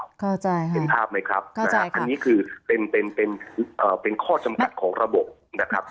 เป็นภาพมั้ยครับอันนี้เป็นข้อจำกัดของระบบค่ะ